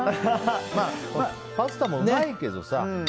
まあ、パスタもうまいけどさ。